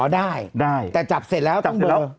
ได้อ๋อได้แต่จับเสร็จแล้วต้องเบลอ